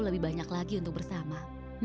lebih banyak lagi untuk bersama